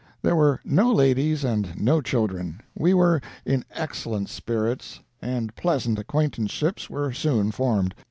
There were no ladies and no children. We were in excellent spirits, and pleasant acquaintanceships were soon formed.